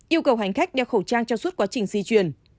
yêu cầu hành khách đeo khẩu trang cho suốt quá trình di chuyển